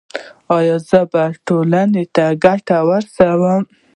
ایا زه به ټولنې ته ګټه ورسوم؟